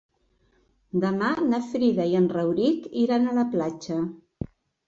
Demà na Frida i en Rauric iran a la platja.